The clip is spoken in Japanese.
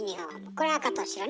これ赤と白ね。